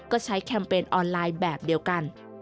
ก็ใช้แคมเปญออนไลน์แบบเดียวกัน